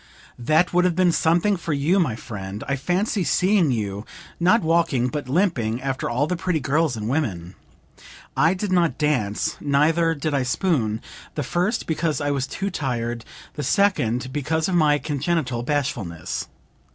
That would have been something for you, my friend! I fancy seeing you, not walking, but limping, after all the pretty girls and women! I did not dance, neither did I spoon; the first because I was too tired, the second because of my congenital bashfulness.